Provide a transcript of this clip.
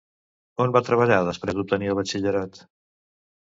On va treballar després d'obtenir el batxillerat?